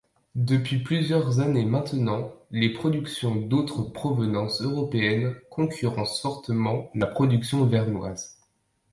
Depuis plusieurs années maintenant, les productions d'autres provenances européennes concurrencent fortement la production vernoise.